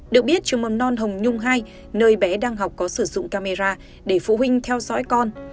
được biết trường mầm non hồng nhung hai nơi bé đang học có sử dụng camera để phụ huynh theo dõi con